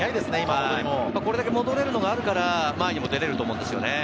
これだけ戻れるのがあるから前にも出れると思うんですよね。